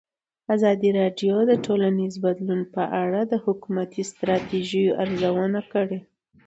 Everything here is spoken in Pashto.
ازادي راډیو د ټولنیز بدلون په اړه د حکومتي ستراتیژۍ ارزونه کړې.